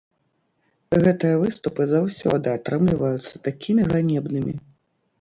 Гэтыя выступы заўсёды атрымліваюцца такімі ганебнымі!